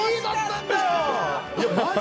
マジ？